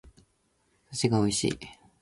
寿司が美味しい